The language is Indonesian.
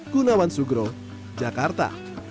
tunawan sugro jakarta